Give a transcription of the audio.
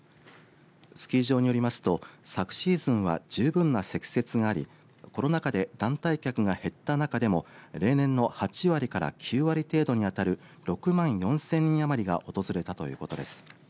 スキー場によりますと昨シーズンは十分な積雪がありコロナ禍で団体客が減った中でも例年の８割から９割程度に当たる６万４０００人余りが訪れたということです。